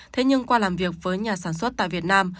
thế nhưng qua làm việc với nhà sản xuất tại việt nam